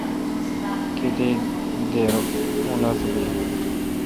کیتک دیر اوں نتھ بیل۔